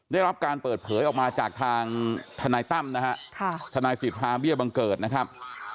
ได้รับการเปิดเผยออกมาจากทางทนายตั้มนะฮะทนายสิทธาเบี้ยบังเกิดนะครับ